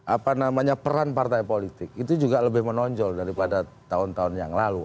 apa namanya peran partai politik itu juga lebih menonjol daripada tahun tahun yang lalu